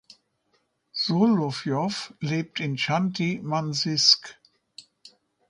Solowjow lebt in Chanty-Mansijsk.